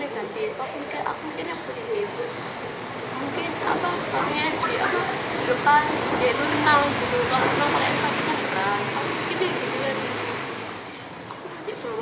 saya masih berpikir aku masih berpikir orang yang tidak ada itu tidak ada